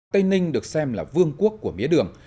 tây ninh được xem là vương quốc của mía đường